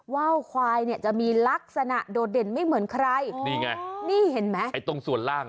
ว่าวควายเนี่ยจะมีลักษณะโดดเด่นไม่เหมือนใครนี่ไงนี่เห็นไหมไอ้ตรงส่วนล่าง